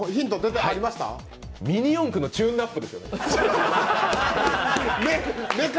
ミニ四駆のチューンナップですか？